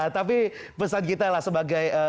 tapi pesan kita lah sebagai